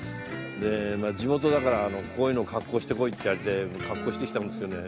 地元だからこういう格好してこいって言われて格好してきたんですけどね。